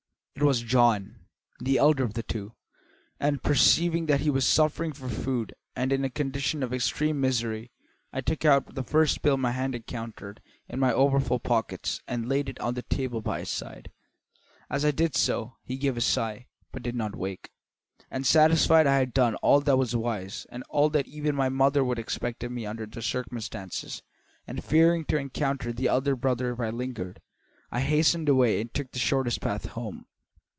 "It was John, the elder of the two, and, perceiving that he was suffering for food and in a condition of extreme misery, I took out the first bill my hand encountered in my overfull pockets and laid it on the table by his side. As I did so he gave a sigh, but did not wake; and satisfied that I had done all that was wise and all that even my mother would expect of me under the circumstances, and fearing to encounter the other brother if I lingered, I hastened away and took the shortest path home.